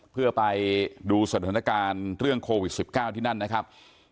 เพื่อไปดูสถานการณ์เรื่องโควิด๑๙ที่นั่นนะครับ